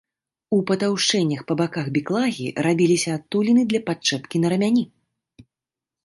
У патаўшчэннях па баках біклагі рабіліся адтуліны для падчэпкі на рамяні.